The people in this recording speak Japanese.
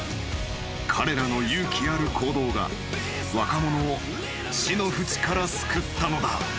［彼らの勇気ある行動が若者を死の淵から救ったのだ］